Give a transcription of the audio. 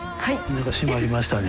何か締まりましたね。